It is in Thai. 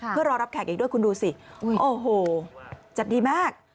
เพื่อรอรับแขกอีกด้วยคุณดูสิโอ้โหจัดดีมาก